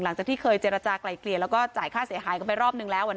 หลังจากที่เคยเจรจากลายเกลี่ยแล้วก็จ่ายค่าเสียหายกันไปรอบนึงแล้ว